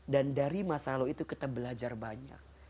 dan dari masa lalu itu kita belajar banyak